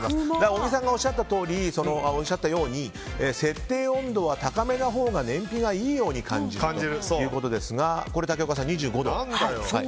小木さんがおっしゃったように設定温度は高めのほうが燃費がいいように感じるということですが竹岡さん、２５度と。